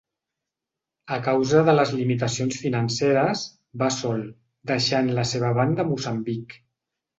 A causa de les limitacions financeres, va sol, deixant la seva banda a Moçambic.